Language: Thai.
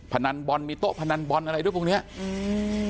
พนันบอลมีโต๊ะพนันบอลอะไรด้วยพวกเนี้ยอืม